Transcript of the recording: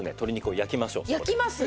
焼きます！？